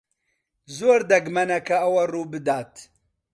زۆر دەگمەنە کە ئەوە ڕوو بدات.